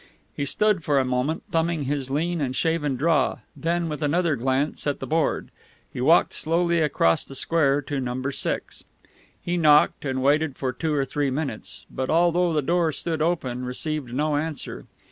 He stood for a minute thumbing his lean and shaven jaw; then, with another glance at the board, he walked slowly across the square to Number Six. He knocked, and waited for two or three minutes, but, although the door stood open, received no answer.